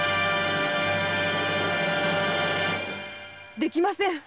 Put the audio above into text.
できません！